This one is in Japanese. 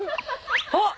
あっ！